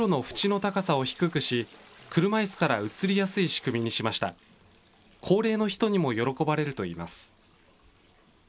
高齢の人にも喜ばれるといいます。